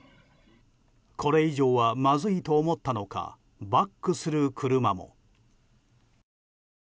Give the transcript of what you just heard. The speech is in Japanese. これ以上はまずいと思ったのかバックする車も。